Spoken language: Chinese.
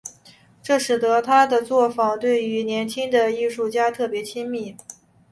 这使得他的作坊对于年轻的艺术家特别亲密。